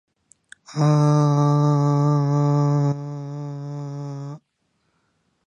aaaaaaaaaaaaaaaaaaaaaaaaaaaaaaaaaaa